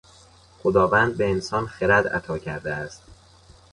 خداوند به انسان خرد عطا کرده است.